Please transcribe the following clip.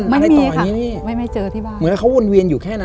ไม่มีค่ะไม่ไม่เจอที่บ้านเหมือนเขาวนเวียนอยู่แค่นั้น